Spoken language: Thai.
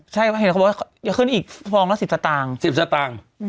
ใช่เห็นเขาบอกว่าอย่าขึ้นอีกฟองละ๑๐สตางค์๑๐สตางค์